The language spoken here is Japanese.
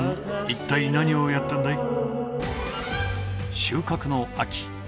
一体何をやったんだい？